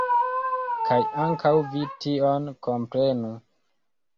Kaj ankaŭ vi tion komprenu.